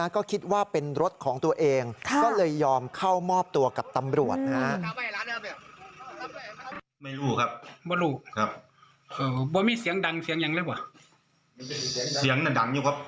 ครับเออไม่มีเสียงดังเสียงยังเลยวะเสียงดังดังอยู่ครับ